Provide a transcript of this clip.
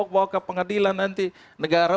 bawa ke pengadilan nanti negara